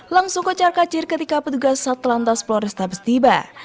langsung kocar kacir ketika petugas satlantas polresta bestiba